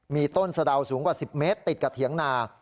มีต้นสะดาวสูงกว่า๑๐เมตรติดกับเถียงนา